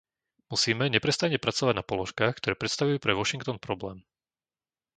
Musíme neprestajne pracovať na položkách, ktoré predstavujú pre Washington problém.